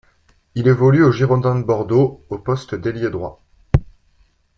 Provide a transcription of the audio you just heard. Il évolue aux Girondins de Bordeaux au poste d'ailier droit.